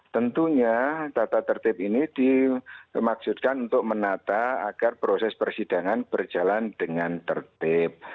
tentunya tata tertib ini dimaksudkan untuk menata agar proses persidangan berjalan dengan tertib